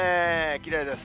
きれいです。